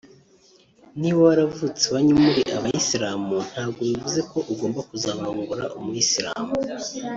niba waravutse iwanyu muri abayisilamu ntabwo bivuze ko ugomba kuzarongora umuyisilamu